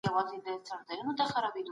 دا هورمونونه تمرکز ګړندی کوي.